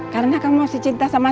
karena kamu masih cinta sama saya kan